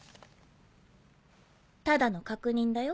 ただの確認だよ。